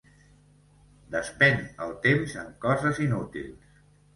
Despèn el temps en coses inútils.